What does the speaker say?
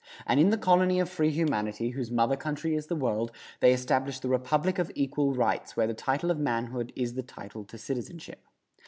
And in the colony of free humanity, whose mother country is the world, they established the Republic of equal rights where the title of manhood is the title to citizenship.